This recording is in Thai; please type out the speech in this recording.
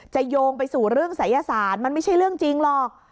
โยงไปสู่เรื่องศัยศาสตร์มันไม่ใช่เรื่องจริงหรอก